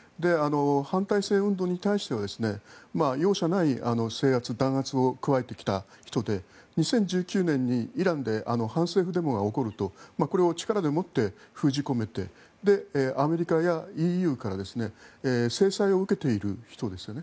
反体制運動に対しては容赦ない制圧、弾圧を加えてきた人で２０１９年にイランで反政府デモが起こるとこれを力で持って封じ込めてアメリカやＥＵから制裁を受けている人ですよね。